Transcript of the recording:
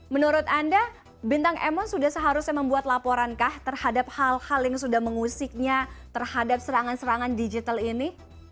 menurut anda bintang emon sudah seharusnya membuat laporan kah terhadap hal hal yang sudah mengusiknya terhadap serangan serangan digital ini